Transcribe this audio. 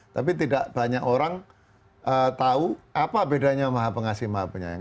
tapi tidak banyak orang tahu apa bedanya maha pengasih maha penyayang